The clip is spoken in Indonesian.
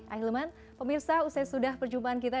akhir laman pemirsa sudah perjumpaan kita